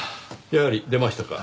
やはり出ましたか。